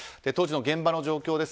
当時の現場の状況。